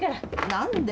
何で？